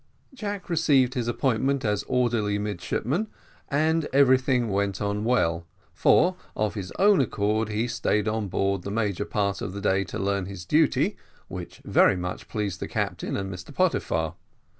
Jack received his appointment as orderly midshipman, and everything went on well; for, of his own accord, he stayed on board the major part of the day to learn his duty, which very much pleased the captain and Mr Pottyfar.